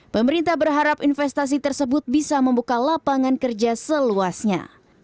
pemerintah berharap investasi tersebut bisa membuka lapangan kerja seluasnya